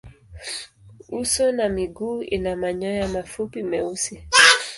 Uso na miguu ina manyoya mafupi meusi.